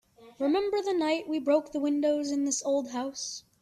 Remember the night we broke the windows in this old house?